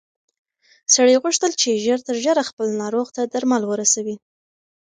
سړي غوښتل چې ژر تر ژره خپل ناروغ ته درمل ورسوي.